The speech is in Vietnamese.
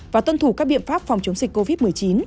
và tuân thủ các biện pháp phòng chống dịch covid một mươi chín